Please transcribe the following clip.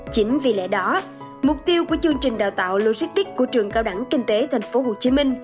chính vì lẽ đó mục tiêu của chương trình đào tạo logistics của trường cao đẳng kinh tế tp hcm